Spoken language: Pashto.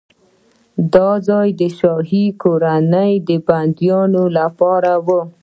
دا ځای د شاهي کورنۍ د بندیانو لپاره و.